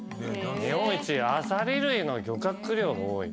日本一アサリ類の漁獲量が多い。